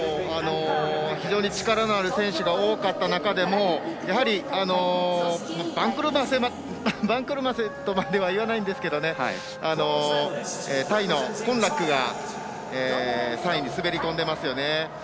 非常に力のある選手が多かった中でもやはり番狂わせとまでは言わないんですけどタイのコンラックが３位に滑り込んでますよね。